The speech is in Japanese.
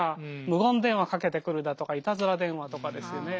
無言電話かけてくるだとかいたずら電話とかですよね。